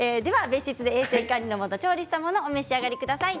別室で衛生管理のもと調理したものをお召し上がりください。